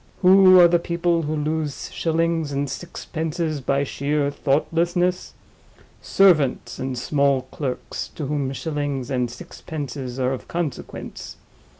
Who are the people who lose shillings and sixpences by sheer thoughtlessness? Servants and small clerks, to whom shillings and sixpences are of consequence.